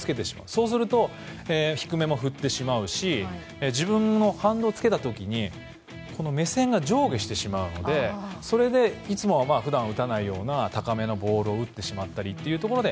そうすると低めも振ってしまうし自分の反動をつけた時に目線が上下してしまうので普段は打たないような高めのボールを打ってしまったりというところで。